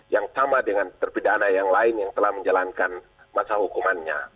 yang sama dengan terpidana yang lain yang telah menjalankan masa hukumannya